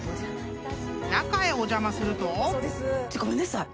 ［中へお邪魔すると］ごめんなさい。